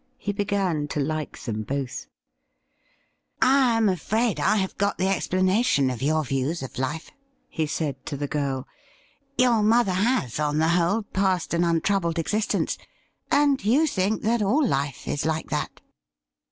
He began to like them both. ' I am afraid I have got the explanation of your views 26 THE RIDDLE RING of life,' he said to the girl. * Your mother has, on the whole, passed an untroubled existence, and you think that all life is like that.'